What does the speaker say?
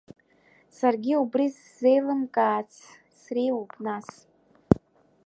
Саргьы убри ззеилымкаац среиуоуп, нас…